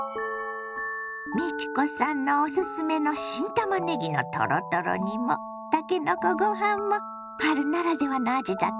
美智子さんのおすすめの新たまねぎのトロトロ煮もたけのこご飯も春ならではの味だったわねぇ。